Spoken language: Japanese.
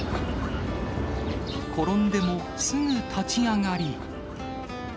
転んでもすぐ立ち上がり。